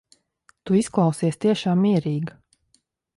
Tu izklausies tiešām mierīga.